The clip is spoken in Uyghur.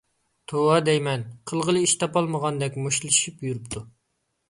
توۋا دەيمەن! قىلغىلى ئىش تاپالمىغاندەك مۇشتلىشىپ يۈرۈپتۇ.